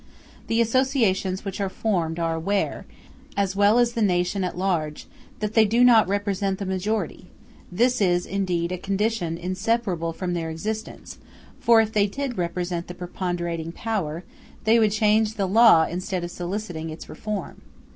The associations which are formed are aware, as well as the nation at large, that they do not represent the majority: this is, indeed, a condition inseparable from their existence; for if they did represent the preponderating power, they would change the law instead of soliciting its reform.